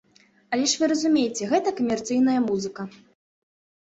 Але ж вы разумееце, гэта камерцыйная музыка.